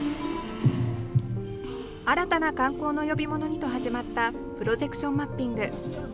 新たな観光の呼び物にと始まったプロジェクションマッピング。